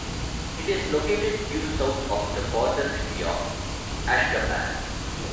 It is located due south of the border city of Ashgabat.